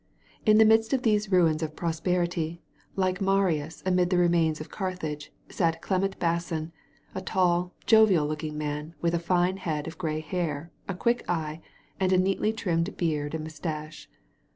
In the midst of these ruins of prosperity, like Marius amid the remains of Carthage, sat Clement Basson, a tall, jovial looking man, with a fine head of grey hair, a quick eye, and a neatly trimmed beard and moustache.